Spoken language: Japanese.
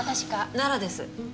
奈良です。